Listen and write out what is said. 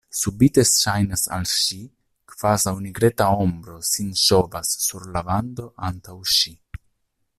Subite ŝajnas al ŝi, kvazaŭ nigreta ombro sin ŝovas sur la vando antaŭ ŝi.